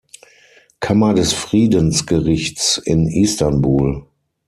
Kammer des Friedensgerichts in Istanbul.